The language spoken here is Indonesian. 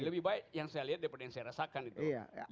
lebih baik yang saya lihat daripada yang saya rasakan itu